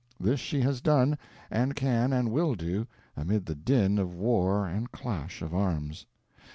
This she has done, and can and will do, amid the din of war and clash of arms.